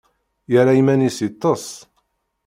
Yerra iman-is yeṭṭes.